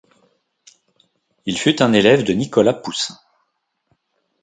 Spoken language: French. Il fut un élève de Nicolas Poussin.